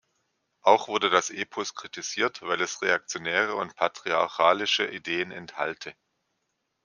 Auch wurde das Epos kritisiert, weil es reaktionäre und patriarchalische Ideen enthalte.